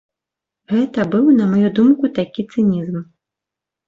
Гэта быў, на маю думку, такі цынізм.